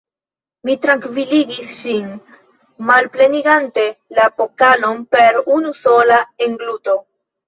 Mi trankviligis ŝin, malplenigante la pokalon per unu sola engluto.